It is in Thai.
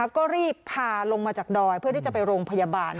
ก็รีบพาลงมาจากดอยเพื่อที่จะไปโรงพยาบาล